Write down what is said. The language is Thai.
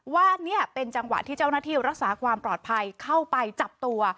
ว่านี่เป็นจังหวะที่เจ้าหน้าที่รักษาความปลอดภัยเข้าไปจับตัว